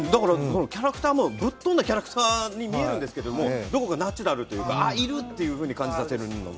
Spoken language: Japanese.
キャラクターも、ぶっとんだキャラクターに見えるんですけどどこかナチュラルというかあ、いると感じさせられるんで。